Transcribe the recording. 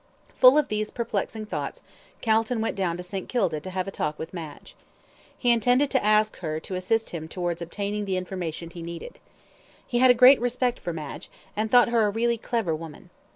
Full of these perplexing thoughts, Calton went down to St. Kilda to have a talk with Madge. He intended to ask her to assist him towards obtaining the information he needed. He had a great respect for Madge, and thought her a really clever woman.